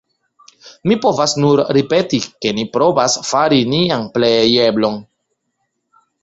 Mi povas nur ripeti, ke ni provas fari nian plejeblon.